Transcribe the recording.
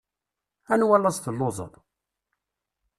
Anwa laẓ telluẓeḍ?